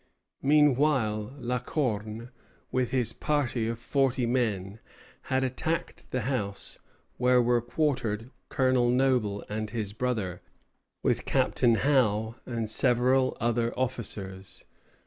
[Footnote: Beaujeu, Journal.] Meanwhile, La Corne, with his party of forty men, had attacked the house where were quartered Colonel Noble and his brother, with Captain Howe and several other officers.